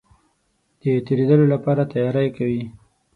د تېرېدلو لپاره تیاری کوي.